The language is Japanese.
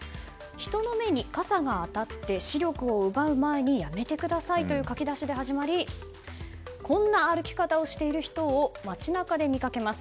人の目に傘が当たって視力を奪う前にやめてくださいという書き出しで始まりこんな歩き方をしている人を街中で見かけます。